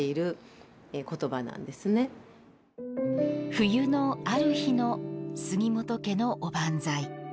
冬のある日の杉本家のおばんざい。